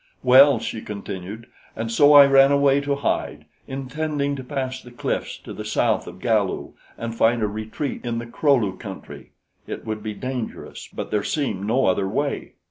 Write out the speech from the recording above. "Well," she continued, "and so I ran away to hide, intending to pass the cliffs to the south of Galu and find a retreat in the Kro lu country. It would be dangerous, but there seemed no other way.